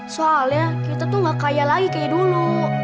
soalnya kita tuh gak kaya lagi kayak dulu